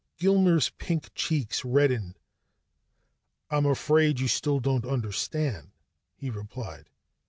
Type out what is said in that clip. Gilmer's pink cheeks reddened. "I'm afraid you still don't understand," he replied.